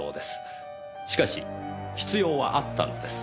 しかし必要はあったのです。